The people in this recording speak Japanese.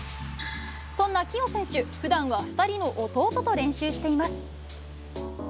そんな起生選手、ふだんは２人の弟と練習しています。